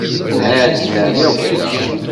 Ha-ten-a akk da.